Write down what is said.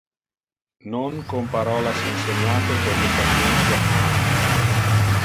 Non con parolas inseniate per le sapientia human.